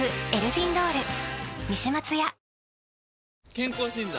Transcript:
健康診断？